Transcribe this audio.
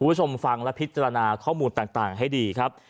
คุณผู้ชมฟังและพิจารณาข้อมูลต่างให้ดีครับ